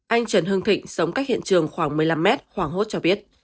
anh trần hưng thịnh sống cách hiện trường khoảng một mươi năm mét hoảng hốt cho biết